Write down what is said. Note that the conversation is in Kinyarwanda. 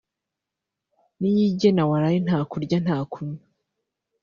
Niyigena waraye nta kurya no kunywa